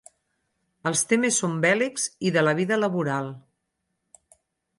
Els temes són bèl·lics i de la vida laboral.